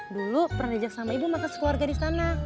dulu pernah rejak sama ibu makan sekeluarga disana